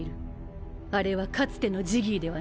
あれはかつてのジギーではない。